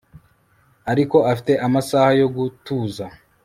Ariko afite amasaha yo gutuza